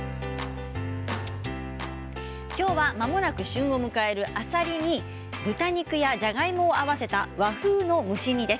今日はまもなく旬を迎えるあさりに豚肉やじゃがいもを合わせた和風の蒸し煮です。